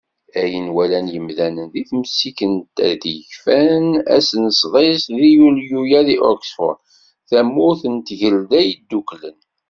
Ayen walan yimdanen deg temsikent i yekfan ass n sḍis deg yulyu-a, di Oxford, tamurt n Tgelda Yedduklen.